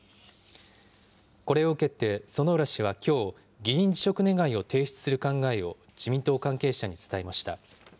これを受けて薗浦氏はきょう、議員辞職願を提出する考えを自民党関係者に伝えました。